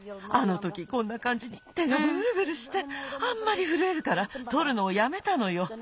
あのときこんなかんじに手がブルブルしてあんまりふるえるからとるのをやめたのよ。